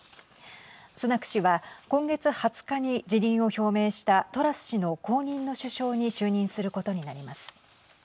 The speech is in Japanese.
スナク氏は今月２０日に辞任を表明したトラス氏の後任の首相に就任することになります。